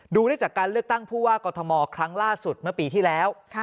ได้จากการเลือกตั้งผู้ว่ากรทมครั้งล่าสุดเมื่อปีที่แล้ว